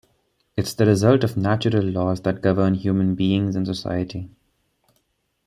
It's the result of the natural laws that govern human beings and society.